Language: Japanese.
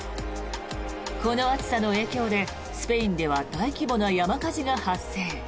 この暑さの影響で、スペインでは大規模な山火事が発生。